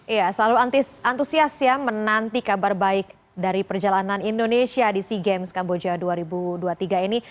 iya selalu antusias ya menanti kabar baik dari perjalanan indonesia di sea games kamboja dua ribu dua puluh tiga ini